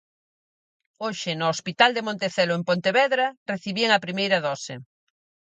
Hoxe, no hospital de Montecelo en Pontevedra, recibían a primeira dose.